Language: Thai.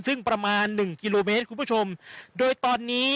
ซึ่งประมาณหนึ่งกิโลเมตรคุณผู้ชมโดยตอนนี้